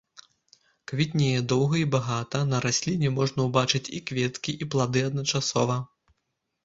Квітнее доўга і багата, на расліне можна ўбачыць і кветкі і плады адначасова.